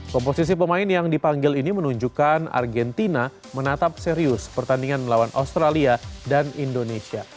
komposisi pemain yang dipanggil ini menunjukkan argentina menatap serius pertandingan melawan australia dan indonesia